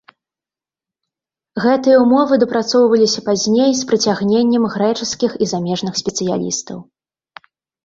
Гэтыя ўмовы дапрацоўваліся пазней з прыцягненнем грэчаскіх і замежных спецыялістаў.